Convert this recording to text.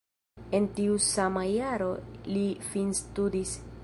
En tiu sama jaro li finstudis.